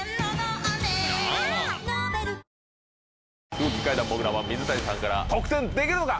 空気階段・もぐらは、水谷さんから得点できるのか？